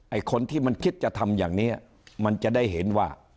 คนที่มันคิดจะทำอย่างนี้มันจะได้เห็นว่า